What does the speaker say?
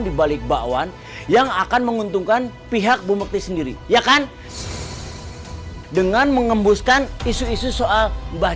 di balik bakwan yang akan menguntungkan pihak bumekti sendiri ya kan dengan mengembuskan isu isu soal mbah